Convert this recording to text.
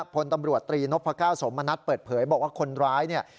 พลตำรวจตรีนพก้าวสมณัฐเปิดเผยบอกว่าคนร้ายเนี่ย